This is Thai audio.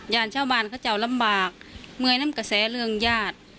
ญาติชาวบ้านเขาจะเอาลำบากเมื่อยน้ำกระแสเรื่องญาติ